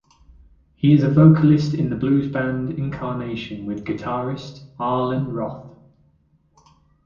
He is the vocalist in the blues band Incarnation with guitarist Arlen Roth.